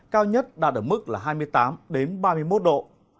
cao nhất đạt ở mức là hai mươi tám ba mươi một độ